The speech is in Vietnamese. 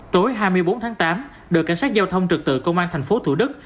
tối hai mươi bốn tháng tám đội cảnh sát giao thông trực tự công an thành phố thủ đức